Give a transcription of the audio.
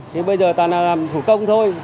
thì bây giờ ta làm thủ công thôi